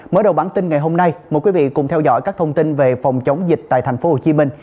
mới đầu bản tin ngày hôm nay mời quý vị cùng theo dõi các thông tin về phòng chống dịch tại tp hcm